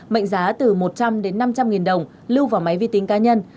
mệnh giá từ một trăm linh đến năm trăm linh nghìn đồng lưu vào máy vi tính cá nhân